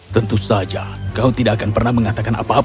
tentu saja kau tidak akan pernah mengatakan apa apa